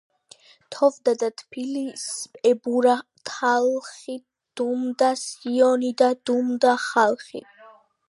თოვდა და თბილის ებურა თალხი დუმდა სიონი და დუმდა ხალხი